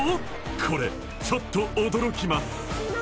これちょっと驚きます何？